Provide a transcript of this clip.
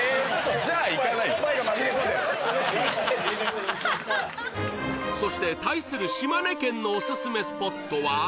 じゃあ行かないよそして対する島根県のオススメスポットは？